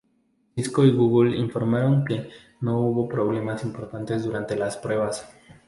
Cisco y Google informaron de que no hubo problemas importantes durante las pruebas.